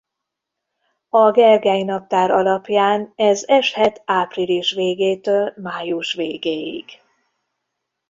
A Gergely-naptár alapján ez eshet április végétől május végéig.